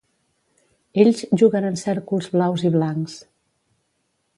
Ells juguen en cèrcols blaus i blancs.